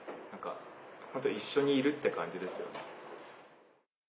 ホント一緒にいるって感じですよね。